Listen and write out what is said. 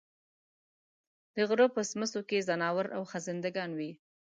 د غرۀ په څمڅو کې ځناور او خزندګان وي